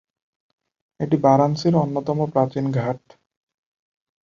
এটি বারাণসীর অন্যতম প্রাচীন ঘাট।